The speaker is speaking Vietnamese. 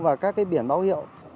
và các cái biển báo hiệu